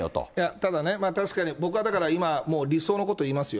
ただね、確かに僕はだから、今、理想のこと言いますよ。